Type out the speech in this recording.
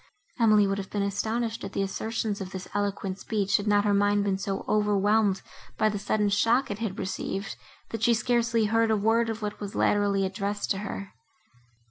Emily would have been astonished at the assertions of this eloquent speech, had not her mind been so overwhelmed by the sudden shock it had received, that she scarcely heard a word of what was latterly addressed to her.